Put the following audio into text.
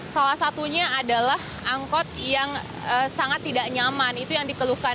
salah satunya adalah angkot yang sangat tidak nyaman itu yang dikeluhkan